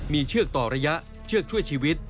มีเชือกต่อระยะเชือกช่วยชีวิต